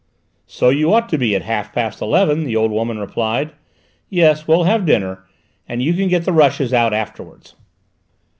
"So you ought to be, at half past eleven," the old woman replied. "Yes, we'll have dinner, and you can get the rushes out afterwards."